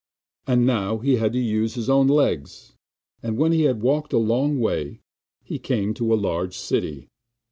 And now he had to use his own legs, and when he had walked a long way, he came to a large city.